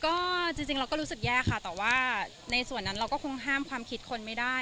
ก็จริงเราก็รู้สึกแย่ค่ะแต่ว่าในส่วนนั้นเราก็คงห้ามความคิดคนไม่ได้